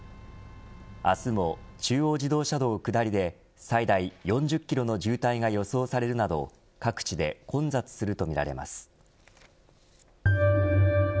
あすも中央自動車道の下りで最大４０キロの渋滞が予想されるなど各地で混雑するとみられます。